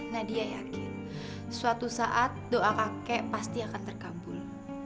nadia yakin suatu saat doa kakek pasti akan terkabul